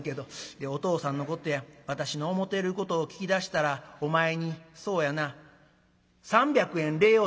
お父さんのことや私の思てることを聞き出したらお前にそうやな３００円礼をするやろ」。